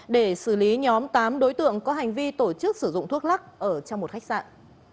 để xử lý nhóm tám đối tượng có hành vi tổ chức sử dụng thuốc lắc ở trong một khách sạn